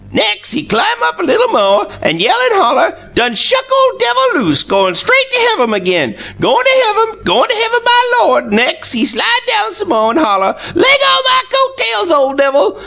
Nex', he clim up little mo', an' yell an' holler: 'Done shuck ole devil loose; goin' straight to heavum agin! Goin' to heavum, goin' to heavum, my Lawd!' Nex', he slide down some mo' an' holler, 'Leggo my coat tails, ole devil!